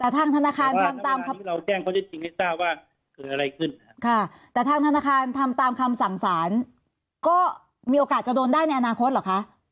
แต่ทางธนาคารทำตามคำสั่งสารก็มีโอกาสจะโดนได้ในอนาคตหรอคะ